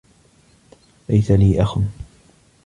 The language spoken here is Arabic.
ليس لي أخ.